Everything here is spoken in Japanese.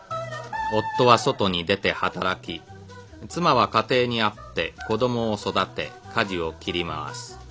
夫は外に出て働き妻は家庭にあって子供を育て家事を切り回す。